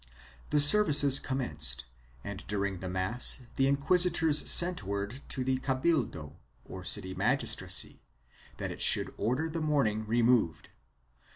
The services commenced and during the mass the inquisitors sent word to the cabildo, or city magistracy, that it should order the mourning removed.